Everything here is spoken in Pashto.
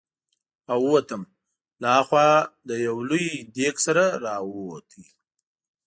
او ووتم، له ها خوا له یو لوی دېګ سره را ووت.